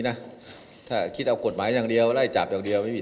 นะถ้าคิดเอากฎหมายอย่างเดียวไล่จับอย่างเดียวไม่มี